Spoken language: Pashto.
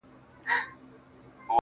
څنگه دي زړه څخه بهر وباسم.